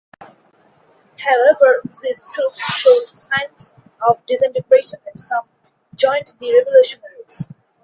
However, these troops showed signs of disintegration and some joined the revolutionaries.